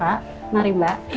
ya terima kasih